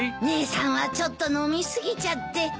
姉さんはちょっと飲みすぎちゃって。